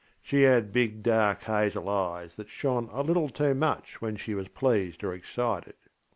She had big dark hazel eyes that shone a little too much when she was pleased or excited.